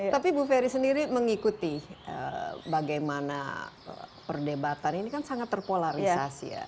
tapi bu ferry sendiri mengikuti bagaimana perdebatan ini kan sangat terpolarisasi ya